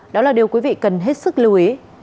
đó là điều quý vị cần hết sức lưu ý